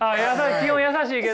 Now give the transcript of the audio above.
基本優しいけど。